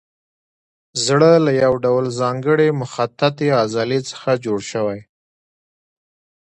زړه له یو ډول ځانګړې مخططې عضلې څخه جوړ شوی.